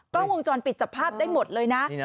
กล้องวงจรปิดจับภาพได้หมดเลยนะ